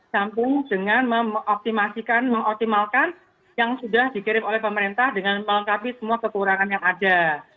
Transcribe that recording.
samping dengan mengoptimalkan yang sudah dikirim oleh pemerintah dengan melengkapi semua kekurangan yang ada